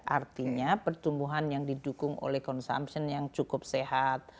artinya pertumbuhan yang didukung oleh consumption yang cukup sehat